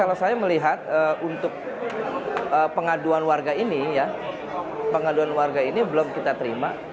kalau saya melihat untuk pengaduan warga ini ya pengaduan warga ini belum kita terima